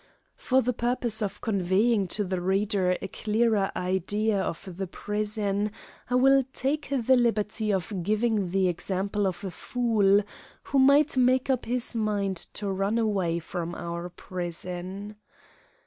For the purpose of conveying to the reader a clearer idea of the prison, I will take the liberty of giving the example of a fool who might make up his mind to run away from our prison.